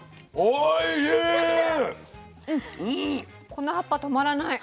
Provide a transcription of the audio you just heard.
この葉っぱ止まらない。